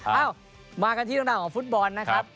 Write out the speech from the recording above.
เอ้ามากันที่ต้องด่าของฟู้ดบอลนะครับ